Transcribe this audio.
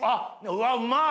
うわうまい！